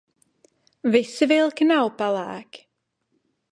Visi vilki nav pelēki.